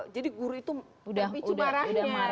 jadi guru itu berbicu marahnya